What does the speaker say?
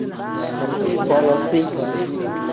Bolosiv.